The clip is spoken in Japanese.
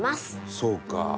そうか。